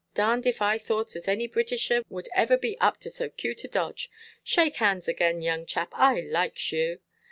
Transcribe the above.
Darnʼd if I thought as any Britisher wud ever be up to so cute a dodge. Shake hands agin, young chap, I likes yoo.